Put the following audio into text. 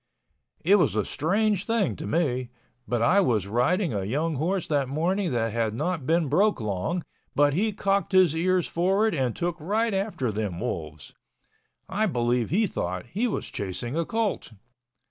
It was a strange thing to me—but I was riding a young horse that morning that had not been broke long, but he cocked his ears forward and took right after them wolves. I believe he thought he was chasing a colt.